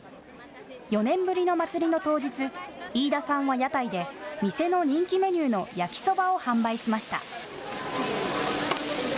４年ぶりの祭りの当日、飯田さんは屋台で店の人気メニューの焼きそばを販売しました。